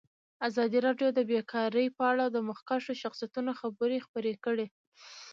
ازادي راډیو د بیکاري په اړه د مخکښو شخصیتونو خبرې خپرې کړي.